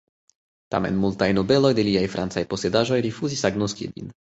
Tamen multaj nobeloj de liaj francaj posedaĵoj rifuzis agnoski lin.